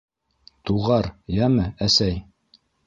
Туғар, йәме, әсәй!